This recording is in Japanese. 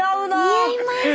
似合います。